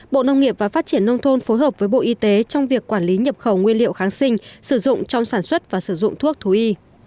bộ nông nghiệp và phát triển nông thôn phối hợp với bộ y tế trong việc quản lý nhập khẩu nguyên liệu kháng sinh sử dụng trong sản xuất và sử dụng thuốc thú y